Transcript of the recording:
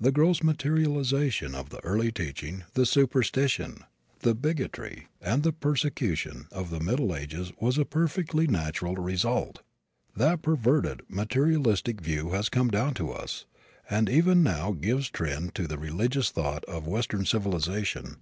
The gross materialization of the early teaching, the superstition, the bigotry and the persecution of the Middle Ages was a perfectly natural result. That perverted, materialistic view has come down to us, and even now gives trend to the religious thought of Western civilization.